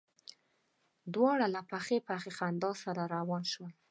دواړه له پخ پخ خندا سره روان شول.